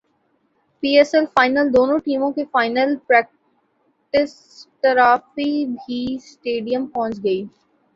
پی S L final دونوں ٹیموں کی فائنل پریکٹسٹرافی بھی اسٹیڈیم پہنچ گئی